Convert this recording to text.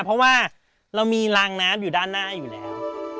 เพราะว่าเรามีรางน้ำอยู่ด้านหน้าอยู่แล้ว